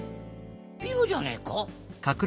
ピロじゃねえか？